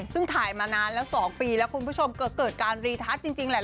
ซึ่งถ่ายมานานแล้ว๒ปีแล้วคุณผู้ชมก็เกิดการรีทัศน์จริงแหละ